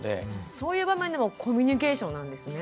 そういう場面でもコミュニケーションなんですね。